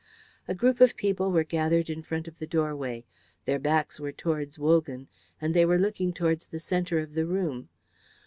A group of people were gathered in front of the doorway. Their backs were towards Wogan, and they were looking towards the centre of the room.